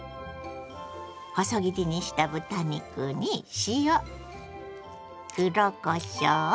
細切りにした豚肉に塩黒こしょう。